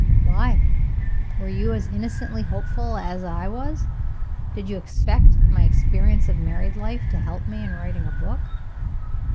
"Why? Were you as innocently hopeful as I was? Did you expect my experience of married life to help me in writing my book?"